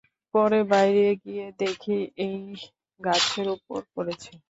পরে বাইরে গিয়ে দেখি এই গাছের উপর পড়েছে।